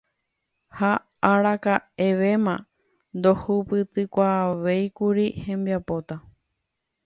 Ha araka'evéma ndohupytykuaavéikuri hembipota.